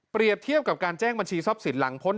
เทียบกับการแจ้งบัญชีทรัพย์สินหลังพ้น